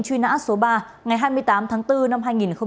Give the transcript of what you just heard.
truy nã số ba ngày hai mươi tám tháng bốn năm hai nghìn một mươi